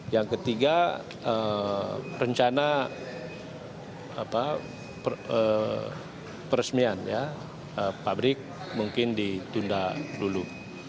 yang ketiga rencana peresmian pabrik mungkin ditunda dulu